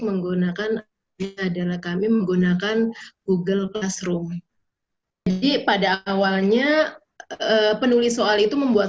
menggunakan adalah kami menggunakan google classroom jadi pada awalnya penulis soal itu membuat